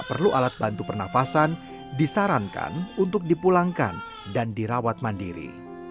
perlu alat bantu pernafasan disarankan untuk dipulangkan dan dirawat mandiri